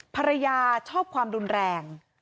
ภรรยาชอบความรุนแรง